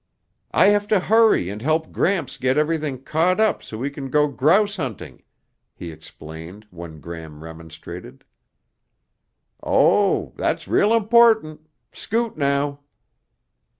"I have to hurry and help Gramps get everything caught up so we can go grouse hunting," he explained when Gram remonstrated. "Oh. That's real important. Scoot, now."